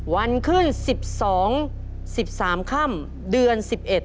วันขึ้น๑๒๑๓ค่ำเดือน๑๑